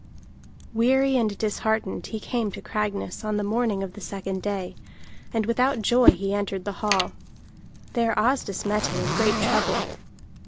Weary and disheartened, he came to Cragness on the morning of the second day, and without joy he entered the hall. There Asdis met him in great trouble.